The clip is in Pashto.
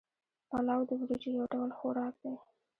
پلاو د وریجو یو ډول خوراک دی